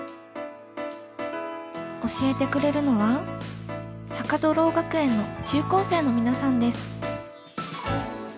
教えてくれるのは坂戸ろう学園の中高生の皆さんです。